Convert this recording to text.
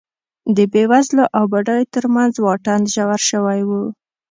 د بېوزلو او بډایو ترمنځ واټن ژور شوی و